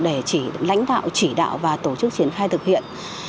để chỉ lãnh đạo chỉ đạo và tổ chức triển khai thực hiện